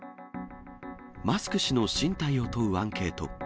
マスク氏の進退を問うアンケート。